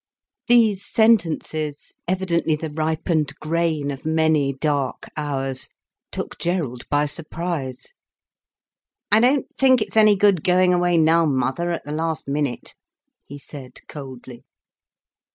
These sentences, evidently the ripened grain of many dark hours, took Gerald by surprise. "I don't think it's any good going away now, mother, at the last minute," he said, coldly.